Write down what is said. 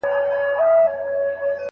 د ښه معاشرت لپاره بايد ښه ژوند وشي.